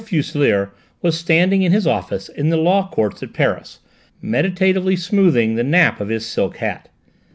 Fuselier was standing in his office in the law courts at Paris, meditatively smoothing the nap of his silk hat.